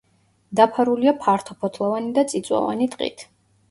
დაფარულია ფართოფოთლოვანი და წიწვოვანი ტყით.